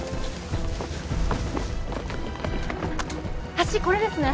橋これですね？